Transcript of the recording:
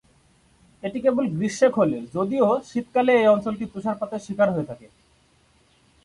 এটি কেবল গ্রীষ্মে খোলে, যদিও শীতকালে এই অঞ্চলটি তুষারপাতের শিকার হয়ে থাকে।